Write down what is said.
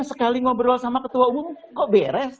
sekali ngobrol sama ketua umum kok beres